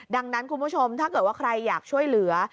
ดังนั้นคุณผู้ชมถ้าเกิดว่าใครอยากช่วยเหลือ